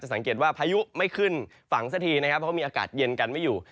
สังเกตว่าพายุไม่ขึ้นฝั่งสักทีนะครับเพราะมีอากาศเย็นกันไม่อยู่